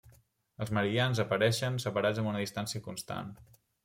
Els meridians apareixen separats amb una distància constant.